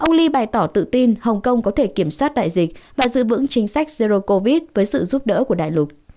ông lee bày tỏ tự tin hồng kông có thể kiểm soát đại dịch và giữ vững chính sách zero covid với sự giúp đỡ của đại lục